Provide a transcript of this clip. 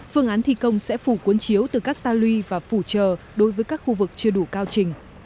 phương án thi công sẽ phủ cuốn chiếu từ các ta luy và phủ chờ đối với các khu vực chưa đủ cao trình